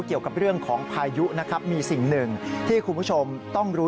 เกี่ยวกับเรื่องของพายุนะครับมีสิ่งหนึ่งที่คุณผู้ชมต้องรู้